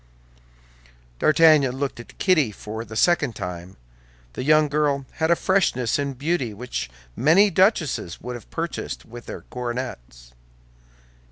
D'Artagnan looked at Kitty for the second time. The young girl had freshness and beauty which many duchesses would have purchased with their coronets.